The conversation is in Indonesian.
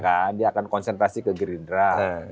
kan dia akan konsentrasi ke gerindra